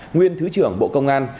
nguyên thứ trưởng bộ công an